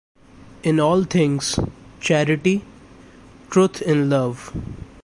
In All Things, Charity; Truth In Love.